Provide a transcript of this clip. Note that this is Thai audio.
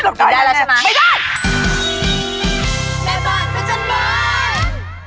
โอ้โฮช่วงหน้าค่ะไม่ได้แล้วใช่ไหมไม่ได้